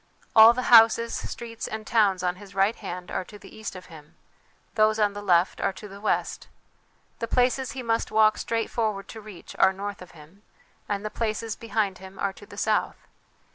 All the houses, streets and towns on his right hand are to the east of him, those on the left are to the west. The places he must walk straight forward to reach are north of him, and the places behind him are to the south.